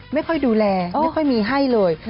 ไม่ค่อยดูแลไม่ค่อยมีให้เลย